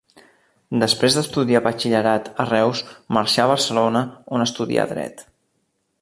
Després d'estudiar batxillerat a Reus marxà a Barcelona on estudià Dret.